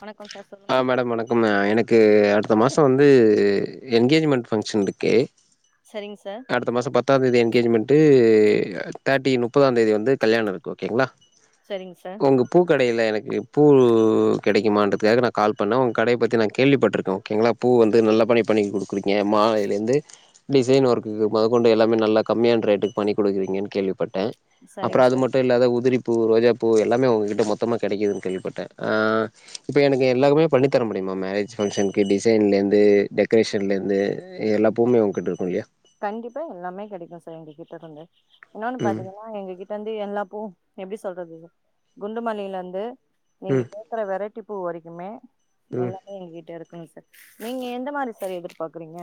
வணக்கோ சார் ஆ சொல்லுங்க மேடம் வணக்கம் எனக்கு அடுத்த மாசோ வந்து எனங்கேஜ்மெண்ட் ஃபங்க்ஷன்ருக்கு சரிங்க சார் அடுத்த மாசோ பத்தா தேதி எனாகேஜ்மென்ட்டு தேட்டி முப்பதா தேதி வந்து கல்யாணோ இருக்கு ஓகேங்ளா சரிங்க சார் ஒங்க பூ கடைல எனக்கு பூ கெடைக்குமான்றதுக்காக நா கால் பண்ணே உங்க கடைய பத்தி நா கேள்விப்பட்ருக்கோ ஓகேங்ளா பூ வந்து நல்லா பண்ணி பண்ணி குடுக்றிங்க மாலைலருந்து டிசைன் ஒர்க் இங்கு மொத கொண்டு எல்லாமே நல்ல கம்மியான ரேட்டுக்கு பண்ணி குடுக்கறீங்கன் கேள்விபட் ட்டே அப்புறோ சரிங்க அது சார் மட்டு இல்லாத உதிரி பூ ரோஜா பூ எல்லாமே உங்ககிட்ட மொத்தமா கெடைக்குதுன்னு கேள்விப்பட்டே அஹ் இப்போ எனக்கு எல்லாமே பண்ணி தர முடியுமா மேரேஜ் ஃபங்ஷன்க்கு டிசைன்லருந்து டெக்ரேஷன்லருந்து எல்லா பூ மே உங்கிட்ட இருக்கு இல்லயா கண்டிப்பா எல்லாமே கெடைக்கு சார் எங்க கிட்ட இருந்து இன்னொன்னு ம் பாத்தீங்கன்னா எங்க கிட் ட்ட வந்து எல்லா பூ எப்டி சொல்றது குண்டு மல்லில இருந்து நீங்க ம் கே க்கற வெரைட்டி பூ வரைக்குமே ம் எல்லாமே ஏங்கிட்ட இருக் குங் சார் நீங்க எந்த மாரி சார் எதிர்பாக்குறீங்க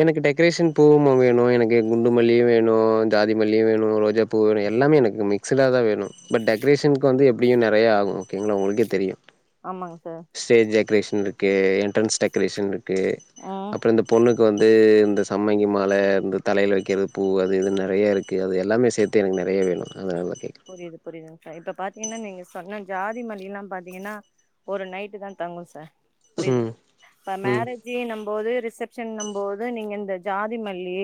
எனக்கு டெக்கரேஷன் பூவும் வேணு எனக்கு குண்டு மல்லியு வேணு ஜாதி மல்லியு வேணு ரோஜா பூ வேணு எல்லாமே எனக்கு மிக்ஸ்டுடாதா வேணு பட் டெக்ரேஷனுக்கு வந்து எப்டியு நெறயா ஆகு ஓகேங்களா உங்களுக்கே தெரியு ஆமாங்க சார் ஸ்டேஜ் டெக்ரேஷன் இருக்கு என்ட்ரன்ஸ் டெக்கரேஷன் இருக்கு ம் அப்ற இந்த பொண்ணுக் கு வந்து இந்த சம்மங்கி மால இந்த தலையில வைக்கிற பூ அது இதுனு நெறயா இருக்கு அது எல்லாமே சே த்து எனக்கு நெறயா வேணு அதனாலதா கே புரியுது புரியுதுங்க சார் இப்ப பாத்தீங்கன்னா நீங்க சொன்ன ஜாதி மல்லி எல்லா பாத்தீங்கன்னா ஒரு நைட்டுதா தங்கு சார் புரியுதுங் ம் இப்ப ம் மேரேஜின்னும்போது ரிசப்ஷன்னு போது நீங்க இந்த ஜாதி மல்லி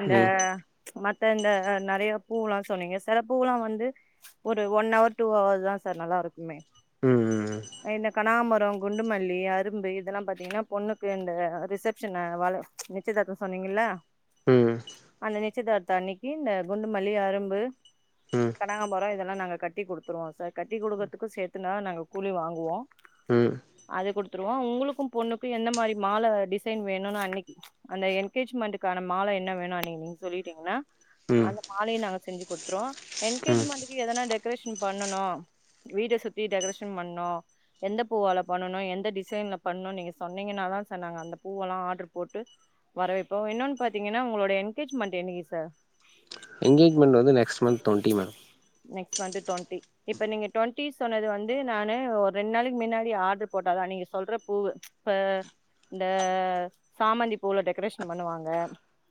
இந்த ம் மத்த இந்த நெறயா பூவெல்லா சொன்னீங்க சில பூவெல்லா வ ந்து ஒரு ஒன் ஹவர் டூ ஹவர்தா சார் நல்லா இருக்குமே ம் ம் இந்த கனகாம்பரம் குண்டுமல்லி அரும்பு இதெல்லா பாத்தீங்கன்னா பொண்ணுக்கு இந்த ரிசப்ஷனு வழ நிச்சயதார்த்தம் சொன்னீங்கல்ல ம் அந்த நிச்சயதாத்த அன்னைக்கு இந்த குண்டு மல்லி அரும்பு ம் கனகாம்பரம் இதெல்லா நாங்க கட்டி குடுத்துருவோ சார் கட்டி குடுக்கறதுக்கு சேத்துனா நாங்க கூலி வாங்குவோ ம் அது குடுத்துருவோ உங்களுக்கும் பொண்ணுக்கும் எந்த மாரி மால டிசைன் வேணும்னு அன்னைக்கி அந்த என்கேஜ்மெண்ட்டுக்கான மால என்ன வேணு அன்னைக்கி நீ நீங்க சொல்லிட்டீங்கன்னா ம் அந்த மாலைய நாங்க செஞ்சு குடுத்துருவோ ம் என்கேஜ்மெண்ட்க்கு எதனா டெக்கரேஷன் பண்ணனு வீட்ட சுத்தி டெக்கரேஷன் பண்ணு எந்த பூவால பண்ணனு எந்த டிசைன்ல பண்ணணு நீங்க சொன்னீங்கன்னாதா சார் நாங்க அந்த பூவெல்லா ஆர்டர் போட்டு வரவேற்ப்போ இன்னொன்னு பாத்தீங்கன்னா உங்களோட எங்கேஜ்மெண்ட் என்னைக்கி சார் என்கேஜ்மண்ட் வந்து next month twenty madam next month twenty இப்ப நீங்க டுவெண்ட்டி சொன்னது வந்து நானு ஒரு ரெண்டு நாளைக்கு மின்னாடி ஆர்டர் போட்டாதா நீங்க சொல்ற பூவு இப்ப இந்த சாமந்தி பூல டெக்கரேஷன் பண்ணுவாங்க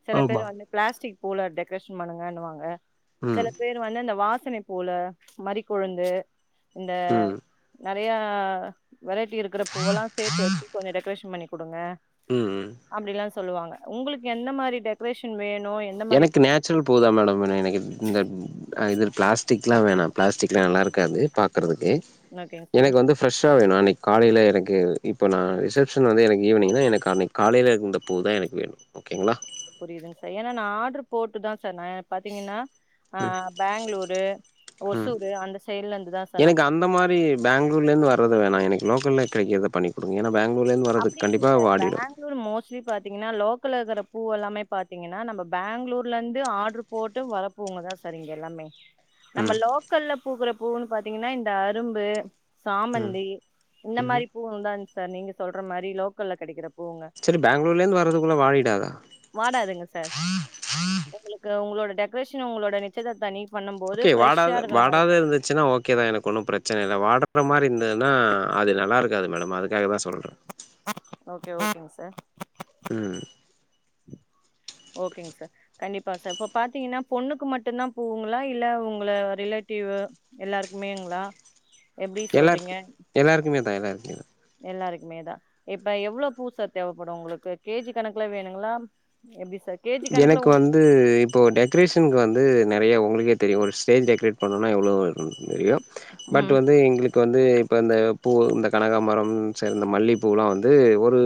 சில பேரு ஆமா வந்து பிளாஸ்டிக் பூவுல டெக்கரேஷன் பண்ணுங்கன்னுவாங்க ம் சில பேர் வந்து அந்த வாசனை பூவுல மறிக்கொழுந்து இந்த ம் நெறையா வெரைட்டி இருக்கிற பூவல்லா சேத்து வச்சு கொஞ்சோ டெக்கரேஷன் பண்ணி குடுங்க ம், ம் அப்டில்லா சொல்லுவாங்க உங்களுக்கு எந்த மாரி டெக்கரேஷன் வேணு எந்த மாரி எனக்கு பூ நேச்சுரல் பூவதா மேடம் வேணு எனக்கு இந்த இது பிளாஸ்டிக்லா வேணா பிளாஸ்டிக்லா நல்லா இருக்காது பாக்குறதுக்கு ஓகேங்க சார் எனக்கு வந்து ஃப்ரெஷா வேணு அன்னைக்கு காலைல எனக்கு இப்போ நா ரிசெப்ஷன் வந்து எனக்கு ஈவினிங்தா எனக்கு அன்னைக் காலைல இருந்த பூ தா எனக்கு வேணு ஓகேங்ளா புரியுதுங் சார் ஏன்னா நான் ஆர்டரு போட்டுதா சார் நா பாத்தீங்கன்னா ஆ பெங்களூரு ம் ஒசூரு அந்த சைடுல இருந்துதா சார் நா எனக்கு அந்த மாரி பேங்களூர்ல இருந்து வர்றது வேணா எனக்கு லோக்கல்ல கெடைக்குறத பண்ணி குடுங்க ஏன்னா பெங்களூர்லருந்து வர்றது அப்டி இல்லைங்க கண்டிப்பா சார் வாடிடு பேங்ளூர் மோஸ்ட்லி பாத்தீங்கன்னா லோக்கல்ல இருக்குற பூ எல்லாமே பாத்தீங்கன்னா நம்ம பேங்ளூர்ல இருந்து ஆட்ரு போட்டு வர்ற பூவுங்கதா சார் இங்க எல்லாமே நம்ம ம் லோக்கல்ல பூக்குற பூவுன்னு பாத்தீங்கன்னா இந்த அரும்பு ம் சாமந்தி இந்த ம் மாரி பூவுங்கதாங்க சார் நீங்க சொல்ற மாரி லோக்கல்ல கொடைக்குற பூவுங்க செரி பேங்களூர்லருந்து வர்றதுக்குள்ள வாடிடாதா வாடாதுங்க சார் உங்களுக்கு உங்களோட டெக்ரேஷன் உங்களோட நிச்சயதார்த்த அன்னிக்கு பண்ணும் போது ஃப்ரெஷ்ஷா இருக்குற மாரிதா ச்சின்னா ஓகே தா எனக்கு ஒன்னு பிரச்சனை இல்ல வாடுற மாரி இருந்ததுன்னா அது நல்லா இருக்காது மேடம் அதுக்காக தா சொல்றே ஓகே ஓகேங்க சார் ம் ஓகேங்க சார் கண்டிப்பா சார் இப்ப பாத்தீங்கன்னா பொண்ணுக்கு மட்டுந்தா பூவுங்களா இல்ல உங்கள ரிலேட்டிவு எல்லாருக்குமேங்களா எப்டி எல்லாருக் சொல்றீங்க எல்லாருக்குமே தா எல்லாருக்குமே எல்லாருக்குமே தா இப்ப எவ்ளவு பூ சார் தேவப்படு உங்களுக்கு கேஜி கணக்குல வேணுங்களா எப்டி சார் கேஜி கணக்குல எனக்கு உ வந்து இப்போ டெக்ரேஷ்னக்கு வந்து நெறையா உங்களுக்கே தெரியு ஒரு ஸ்டேஜ் டெக்ரேட் பண்ணணுன்னா எவ்ளோ வேணுன்னு தெரியு பட் ம் வந்து எங்களுக் கு வந்து இப்ப இந்த பூ இந்த கனகாம்பரம் சேர்ந்த மல்லிப்பூலா வந்து ஒரு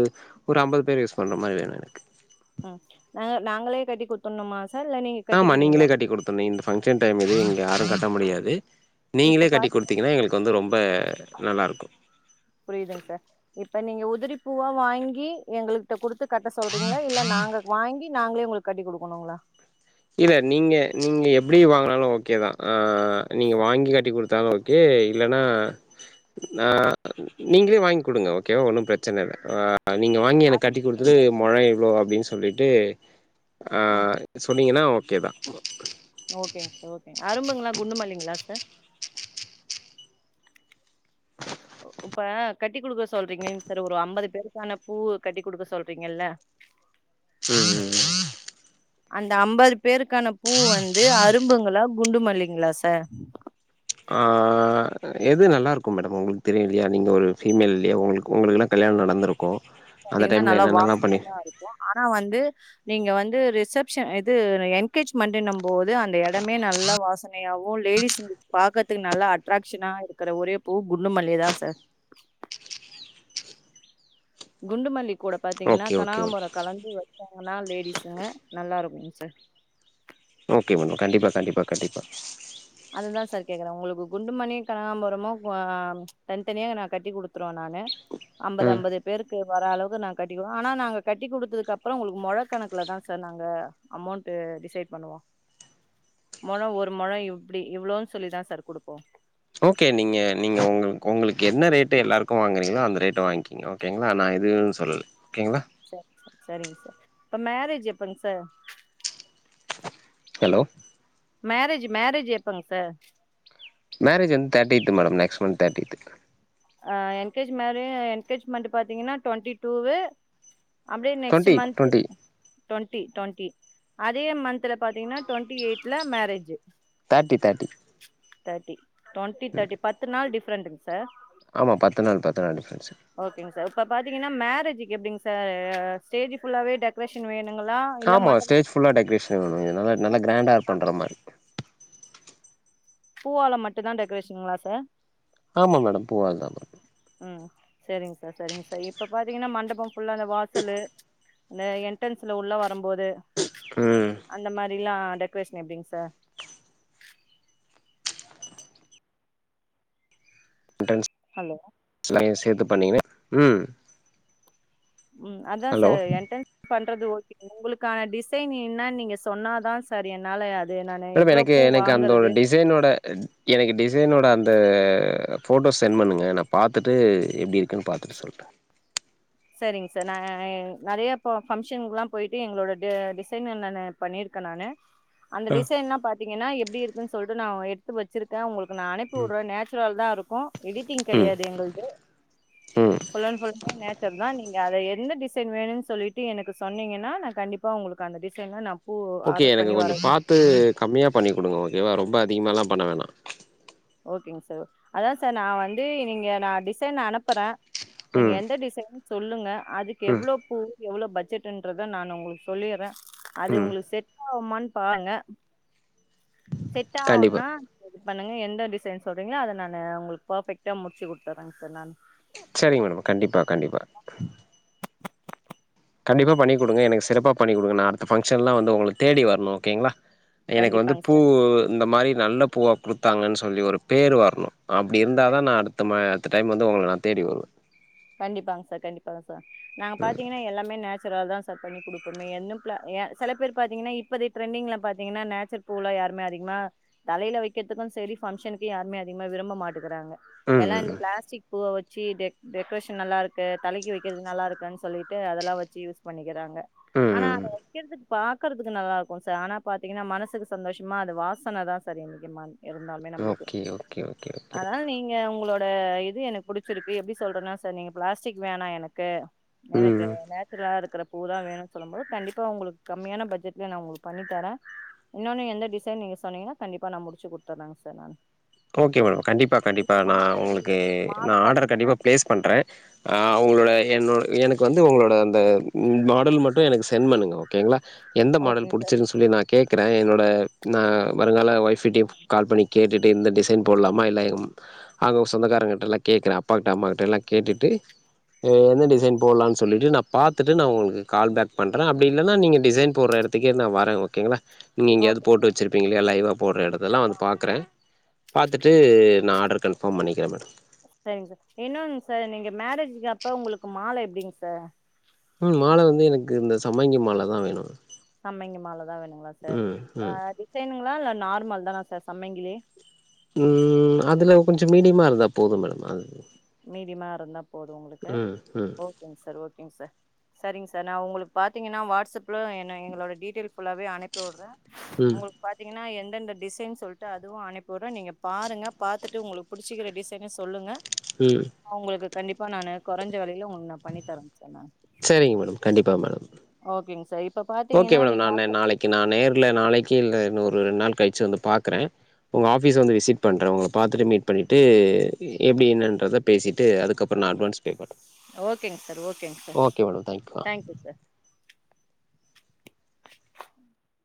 ஒரு அம்பது பேரு யூஸ் பண்ற மாரி வேணு எனக்கு ம் நாங்க நாங்களே கட்டி குடுத்துணுமா சார் இல்ல நீங்க ஆமா நீங்களே கட்டிக்கிறீங்களா கட்டி குடுத்துர்னு இந்த பங்க்ஷன் டைம் இது இங்க யாரும் கட் ட முடியாது நீங்களே இப்ப கட்டி பாத் குடுத்தீங்கன்னா எங்களுக்கு வந்து ரொம்ப நல்லாருக்கு புரியுதுங்க சார் இப்ப நீங்க உதிரி பூவா வாங்கி எங்களுக்கு ட்ட குடுத்து கட்ட சொல்றீங்களா இல்ல நாங்க வாங்கி நாங்களே உங்களுக்கு கட்டி குடுக்கணுங்களா இல்ல நீங்க நீங்க எப்டி வாங்னாலு ஓகே தா ஆ நீங்க வாங்கி கட்டி குடுத் தாலு ஓகே இல்லன்னா நா நீங்களே வாங்கி குடுங்க ஓகேவா ஒன்னு பிரச்சனை இல்ல ஆ ஆ நீங்க வாங்கி எனக்கு அது கட்டி குடுத்துட்டு மொழம் எவ்ளோ அப்டின் சொல்லிட்டு ஆ ம் சொன்னிங்கன்னா ஓகே தா ஓகேங்க சார் ஓகேங்க அரும்புங்களா குண்டுமல்லிங்களா சார் இப்ப கட்டி குடுக்க சொல்றீங்களங்க சார் ஒரு அம்பது பேருக்கான பூ கட்டி குடுக்க சொல்றீங்கல்ல ம் ம் அந்த அம்பது பேருக்கானா பூ வந்து அரும்புங்களா குண்டுமல்லிங்களா சார் ஆ எது நல்லாருக்கு மேடம் உங்களுக்கு தெரியு இல்லயா நீங்க ஒரு ஃபீமேல் இல்லயா உங்களுக்கு உங்களுக்குல்லா கல்யாணோ நடந்துருக் கு அந்த டைம்ல என்னென்னல்லா பண்ணி வோ ஆனா வந்து நீங்க வந்து ரிசப்ஷன் இது என்கேஜ்மண்ட்ன்னு போது அந்த இடமே நல்லா வாசனை யாவு லேடிஸ்ங்களுக்கு பாக்கதுக்கு நல்லா அட்ராக்ஷனா இருக்குற ஒரே பூ குண்டுமல்லி தா சார் குண்டுமல்லி கூட பாத்தீங்கன்னா ஓகே ஓகே ஓகே கனாகம்பரோ கலந்து வச்சாங்கன்னா லேடிஸுங்க நல்லா இருக்குங்க சார் ஓகே மேடம் கண்டிப்பா கண்டிப்பா கண்டிப்பா அததா சார் கேக்குறே உங்களுக்கு குண்டு மணியு கனகாம்பரமோ அ தனித்தனியா நா கட்டி குடுத்துருவே நானு அம்பது ம் அம்பது பேருக்கு வர்ற அளவுக்கு நாங்க கட்டி குடு ஆனா நாங்க கட்டி குடுத்ததுக்கு அப்றோ ஒங்களுக்கு மொழக்கணக்குல தா சார் நாங்க அமௌண்ட்டு டிசைட் பண்ணுவோ மொழோ ஒரு மொழோ இப்டி இவ்ளோவுன்னு சொல்லிதா சார் குடுப்போ ஓகே நீங்க நீங்க உங்களுக்கு உங்களுக்கு என்ன ரேட்டு எல்லாருக்கு வாங்குறீங்களோ அந்த ரேட்ட வாங்கிக்கிங்க ஓகே ஓகேங்களா நா எதுவுனு சொல்லல ஓகேங்களா செரி ச செரிங்க சார் இப்ப மேரேஜ் எப்பங் சார் ஹலோ மேரேஜ் மேரேஜ் எப்பங் சார் மேரேஜ் வந்து தேர்ட்டியத் மேடம் நெக்ஸ்ந்த் தேர்ட்டியத் ஆ என்கேஜ்ம என்கேஜ்மெண்ட் பாத்தீங்கன்னா டுவெண்டி டூவு அப்டியே next twenty month twenty twenty twenty அதே மந்த் [unintelligible] பாத்தீங்கன்னா டுவென்ட்டி எயிட்ல marriage thirty thirty thirty twenty thirty பத்து நாள் டிஃப்ரெண்ட்டுங்க சார் ஆமா பத்து நாள் பத்து நாள் டிஃப்ரென்சுங்க ஓகேங்க சார் இப்ப பாத்தீங்கன்னா மேரேஜக்கு எப்டிங்க சார் ஸ்டேஜ் ஃபுல்லவே டெக் டெக்கரேஷன் வேணுங்களா இல்ல [inaudible] ஆமா ஸ்டேஜ் ஃபுல்லா டெக்கரேஷன் வேனு [unintelligible] நல்லா கிராண்டா பண்ற மாரி பூவால மட்டுதா டெக்கரேஷன்கங்களா சார் ஆமா மேடம் பூவா தா மேடம் ம் செரிங்க சார் செரிங்க சார் இப்ப பாத்தீங்கன்னா மண்டப ஃபுல்லா அந்த வாசலு இந்த என்ட்ரன்ஸ்ல உள்ள வரும்போது ம் அந்த மாரி எல்லா டெக்ரேஷன் எப்டிங்க சார் என்ட்ரன்ஸ் ஹலோ [unintelligible] சேத்து பண்ணீங்கன்னா ம் ம் அதா ஹலோ சார் என்ட்ரன்ஸ் பண்றது ஓகே உங்களுக்கான டிசைன் என்னு நீங்க சொன்னாதா சார் என்னால து நானு மேடம் எவ்ளோ எனக்கு பூ எனக்கு அந்தோட வாங்குறது டிசைனோட எனக்கு டிசைனோட அந்த போட்டோஸ் சென்ட் பண்ணுங்க நா பாத்திட்டு எப்டி இருக்குன்னு பாத் சொல்றே செரிங்க சார் நா நெறையா இப்ப பங்க்ஷனுக்கெல்லா போயிட்டு எங்களோட டிசைன் நானு பண்ணியிருக்கே நானு அந்த ஆ டிசைன்ல பாத்தீங்கன்னா எப்படி இருக்குன்னு சொல்லிட்டு நா எடுத்து வெச்சிருக்கே உங்களுக் கு நா அனுப்பி விட்றே நேச்சுரல் தா இருக்கு எடிட்டிங் ம் கெடையாது எங்கள்து ம் ஃபுல் அன்ட் ஃபுல்லுமே நேச் தா நீங்க அத எந்த டிசைன் வேணுனு சொல்லிட்டு எனக்கு சொன்னீங்கன்னா நா கண்டிப்பா உங்களுக்கு அந்த டிசைன்ல நா பூ ஆர்டர் பண்ணி வர த்து கம்மியாக பண்ணி குடுங்க ஓகேவா ரொம்ப அதிகமாலா பண்ண வேணா ஓகேங்க சார் அதா சார் நா வந்து நீங்க நா டிசைன் அனுப்புறே நீங்க ம் எந்த டிசைன்னு சொல்லுங்க அதுக்கு ம் எவ்ளோ பூ எவ்ளோ பட்ஜெட்ன்றத நா உங்களுக்கு சொல்லிறே அது ம் உங்களுக்கு செட் ஆகுமான்னு பாருங்க செட் கண்டிப்பா ஆகுன்னா இது பண்ணுங்க எந்த டிசைன் சொல்றீங்களோ அத நானு உங்களுக்கு பர்ஃபெக்டா முடிச்சு குடுத்துறே சார் நானு செரிங்க மேடம் கண்டிப்பா கண்டிப்பா கண்டிப்பா பண்ணி குடுங்க எனக்கு சிறப்பாக பண்ணி குடுங்க நா அடுத்த ஃபக்ஷன்லா வந்து உங்களுக்கு தேடி வரணு ஓகேங்களா எனக்கு வந்து கண்டிப்பாங்க பூ சார் இந்த மாரி நல்ல பூவா கொடுத்தாங்கன் சொல்லி ஒரு பேர் வரணோ அப்படி இருந்தா தா நா அடுத்த ம அடுத்த டைம் வந்து உங்கள நா தேடி வருவே கண்டிப்பாங்க சார் கண்டிப்பா சார் நாங்க பாத்தீங்கன்னா எல்லாமே நேச்சுரல் தா ஸார் பண்ணி கொடுப்போ என்னப் பிளா செல பேர் பாத்தீங்கன்னா இப்ப டிரெண்டிங்ல பாத்தீங்கன்னா நேச்சர் பூல யாருமே அதிகமா தலையல வெக்கிறதுமே சரி ஃபங்க்ஷனுக்ககூ யாரூமே அதிக விரும்ப மாட்டுகுறாங்க ம் எல்லா இந் ம் பிளாஸ்டிக் பூ வெச்சு டெ டெக்ரேஷ் நல்லா இருக்கே தலைக்கி வைக்கிறது நல்லா இருக்கேன் சொல்லிட்டு அதெல்லாம் வெச்சு யூஸ் பண்ணிக்கிறாங்க ம் ஆனா ம் அத வைக்கரதுக் பாக்குறதுக்கு நல்லா இருக்கூ சார் ஆனா பாத்தீங்ன்னா மனசுக்கு சந்தோஷமா அது வாசனை தா சார் முக்கியமானது இருந்தாமே ம் நம்மளுக்கு ஓகே ஓகே ஓகே ஓகே அதால நீங்க உங்களோட் இது எனக்கு புடிச்சிருக்கு எப்படி சொல்றேன்னா சார் நீங்க பிளாஸ்டிக் வேணா எனக்கு ம் எனக்கு ம் நேச்சுரலா இருக்கறப் பூ தா வேணூ சொல்லும்போது கண்டிப்பா உங்களுக்கு கம்மியான பட்ஜெட்ல நா உங்களுக்கு பண்ணி தரே இன்னொன்னு எந்த டிசைன் நீங்க சொன்னீங்கன்னா கண்டிப்பா நா முட்ச்சீ குடுத்துர்ரங்க சார் நானு ஓகே மேடம் கண்டிப்பா இந்த கண்டிப்பா நா மால எப்டி உங்களுக்கு மால நா ஆர்டர பாத்தீங்கன்னா கண்டிப்பா ப்ளேஸ் பண்றே ஆ உங்களோட என்னோட எனக்கு வந்து உங்களோட அந்த மாடல் மட்டூ எனக்கு சென்ட் பண்ணுங்க ஓகேங்களா எந்த மாடல் ஓகேங்க சார் புடிச்சிருக்கு சொல்லி நா கேக்குற என்னோட நா வருங்கால ஒய்ஃப்ட்டயூ கால் பண்ணி கேட்டுட் இந்த டிசைன் போட்லாமா இல்ல எங் அவுங்க சொந்தகாரங்கிட்ட லா கேக்குற அப்பாட்ட அம்மாக்கிட்ட லா கேட்டுட்டு எந்த டிசைன் போட்லா சொல்லிட்டு நா பாத்துட்டு நா உங்களுக்கு கால் பேக் பண்ற அப்படி இல்லனா நீங்க டிசைன் போட்ற இடத் இடத்துக்கே நா வரோ ஓகேங்களா நீங்க ‌அத் ஓகே போட்டு வச்சிருப்பீங்கில்லையா லைவ்வா போடுற இடத்துல்லா வந்து பாக்குறோ பாத்துட்டு நா ஆர்டர் கன்ஃபார்ம் பண்ணிக்கிறோ மேடம் சரிங்க இன்னொன்னு சார் நீங்க மேரேஜ்க அப்ப உங்களுக்கு மால எப்டிங்க சார் ம் மால வந்து எனக்கு இந்த சம்பங்கி மாலை தா வேணூ சம்பங்கி மால தா வேணுங்ளா சார் ஆ ம் டிசைனுங்ளா இல்ல நார்மல் தானா சார் சம்பங்கிலே ம் அதுல கொஞ்சொ மீடிமா இருந்தா போதூ மேடம் அது மீடிமா இருந்தா போது உங்களுக்கு ம் ம் ஓகேங் சார் ஓகேங் சார் சரிங் சார் நா உங்களுக் பாத்திங்ன்னா வாட்ஸ்ப்ல என்ன எங்களோட டீடெயில் புல்லாவே அனுப் சுட்றே ம் உங்களுக் பாத்தீங்கன்னா எந்தெந்த டிசைன் சொல்லிட்டு அதுவூ அனுப்பி உட்றோ நீங்க பாருங்க பாத்துட்டு உங்களுக்கு புடிச்சிக்கிற டிசைன சொல்லுங்க ம் அவங்களுக்கு கண்டிப்பா நானு கொறைஞ்ச வெலயில உங் நா பண்ணி தரோ சார் நானூ சரிங்க மேடம் கண்டிப்பா மேடம் ஓகேங்க சார் இப்ப பாத்தீங்கன்னா நீங்க அசப் கே நா நேர்ல நாளைக்கு இல்ல இன்னூ ஒரு ரெண்ட் நாள் கழிச்சு வந்து பாக்குறே உங்க ஆஃபீஸ வந்து விசிட் பண்றே உங்கள பாத்துட்டு மீட் பண்ணிட்டு எப்டி என்னன்றத பேசிட்டு அதுக்கப்புறோ நா அட்வான்ஸ் பே பண் ஓகேங்க சார் ஓகேங்க சார் தேங்க்யூ ஆ தேங்க் யூ சார்